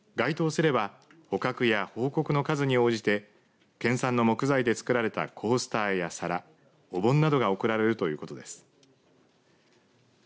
該当すれば捕獲や報告の数に応じて県産の木材で作られたコースターや皿お盆などが贈られるということです。